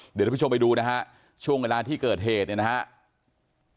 เดี๋ยวท่านผู้ชมไปดูนะฮะช่วงเวลาที่เกิดเหตุเนี่ยนะครับ